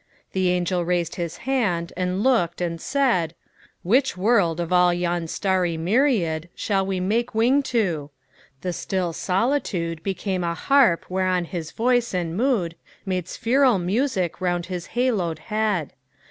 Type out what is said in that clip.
The angel raised his hand and looked and said, "Which world, of all yon starry myriad Shall we make wing to?" The still solitude Became a harp whereon his voice and mood Made spheral music round his haloed head.